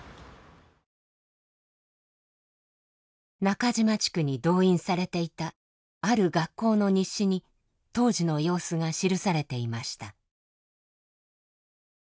中島地区に動員されていたある学校の日誌に当時の様子が記されていました。